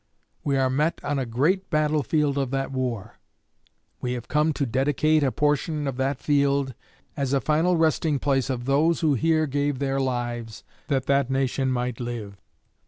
We are met on a great battle field of that war. We have come to dedicate a portion of that field as a final resting place of those who here gave their lives that that nation might live.